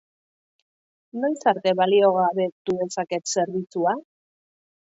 Noiz arte baliogabetu dezaket zerbitzua?